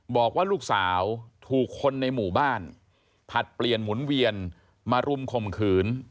บอกว่าลูกสาวถูกคนในหมู่บ้านผลัดเปลี่ยนหมุนเวียนมารุมข่มขืน